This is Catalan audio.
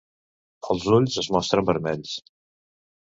Els ulls es mostren vermells.